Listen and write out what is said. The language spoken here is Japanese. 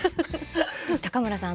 高村さん